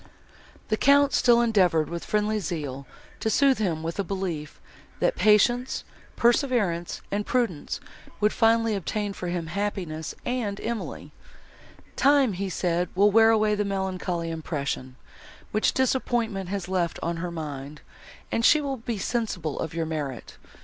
The Count still endeavoured, with friendly zeal, to sooth him with a belief, that patience, perseverance and prudence would finally obtain for him happiness and Emily: "Time," said he, "will wear away the melancholy impression, which disappointment has left on her mind, and she will be sensible of your merit.